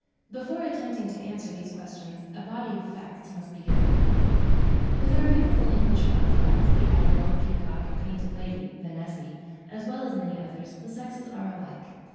Before attempting to answer these questions a body of facts must be given. With our beautiful English butterflies, the admiral, peacock, and painted lady (Vanessae), as well as many others, the sexes are alike.